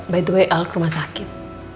by the way ow ke rumah sakit